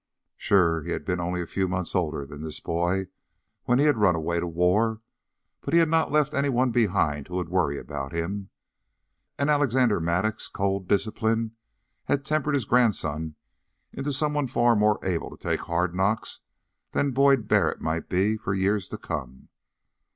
Sure, he had been only a few months older than this boy when he had run away to war, but he had not left anyone behind who would worry about him. And Alexander Mattock's cold discipline had tempered his grandson into someone far more able to take hard knocks than Boyd Barrett might be for years to come.